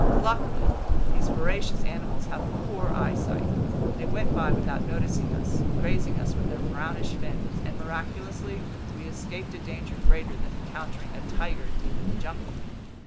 Luckily these voracious animals have poor eyesight. They went by without noticing us, grazing us with their brownish fins; and miraculously, we escaped a danger greater than encountering a tiger deep in the jungle.